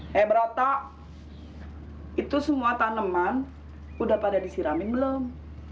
hebrota itu semua tanaman udah pada disiramin belum